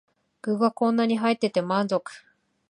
具がこんなに入ってて満足